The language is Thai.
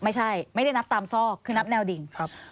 ไม่ใช่ไม่ได้นับตามซอกคือนับแนวดิ่ง